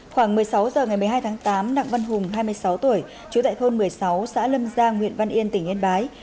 khoảng một mươi sáu h ngày một mươi hai tháng tám đặng văn hùng hai mươi sáu tuổi chú tại thôn một mươi sáu xã lâm giang huyện văn yên tỉnh yên bái